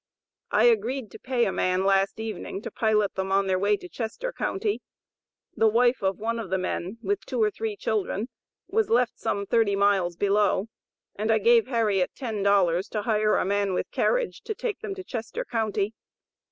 I agreed to pay a man last evening, to pilot them on their way to Chester county; the wife of one of the men, with two or three children, was left some thirty miles below, and I gave Harriet ten dollars, to hire a man with carriage, to take them to Chester county.